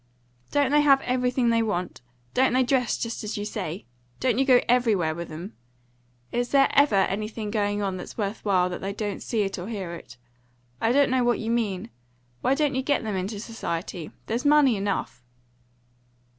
"Don't they have everything they want? Don't they dress just as you say? Don't you go everywhere with 'em? Is there ever anything going on that's worth while that they don't see it or hear it? I don't know what you mean. Why don't you get them into society? There's money enough!"